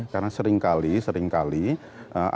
karena seringkali seringkali ada good intention